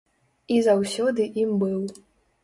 І заўсёды ім быў.